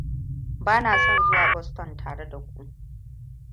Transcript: Bana son zuwa Boston tare da ku.